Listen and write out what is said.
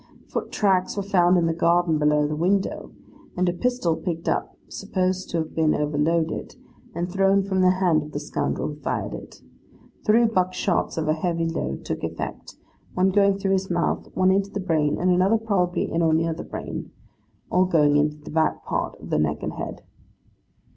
Foot tracks were found in the garden below the window, and a pistol picked up supposed to have been overloaded, and thrown from the hand of the scoundrel who fired it. Three buck shots of a heavy load, took effect; one going through his mouth, one into the brain, and another probably in or near the brain; all going into the back part of the neck and head.